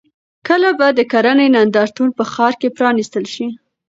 کله به د کرنې نندارتون په ښار کې پرانیستل شي؟